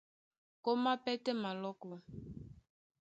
Kómá pɛ́tɛ́ malɔ́kɔ.